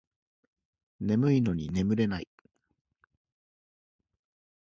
眠いのに寝れない